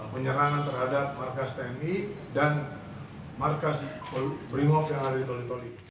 penyerangan terhadap markas tni dan markas brimob yang ada di toli toli